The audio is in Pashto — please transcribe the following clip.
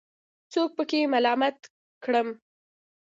څوک پکې ملامت کړم.